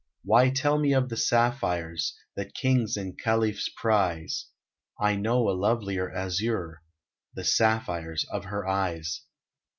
Why tell me of the sapphires That Kings and Khalifs prize? I know a lovelier azure, The sapphires of her eyes.